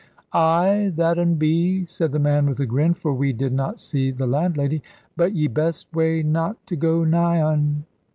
"Ay, that 'un be," said the man with a grin, for we did not see the landlady; "but ye best way not to go nigh 'un."